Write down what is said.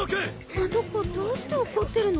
あの子どうして怒ってるの？